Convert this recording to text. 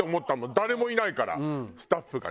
誰もいないからスタッフがね。